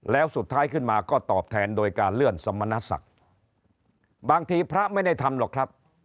แล้วสุดท้ายขึ้นมาก็ตอบแทนโดยการเลื่อนสมณศักดิ์บางทีพระไม่ได้ทำหรอกครับ